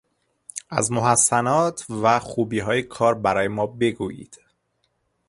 از محسنات و خوبیهای کار برای ما بگویید